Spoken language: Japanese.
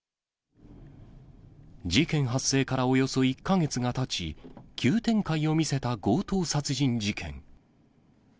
事件発生からおよそ１か月がたち、急展開を見せた強盗殺人事件。